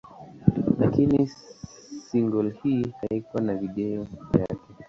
Lakini single hii haikuwa na video yake.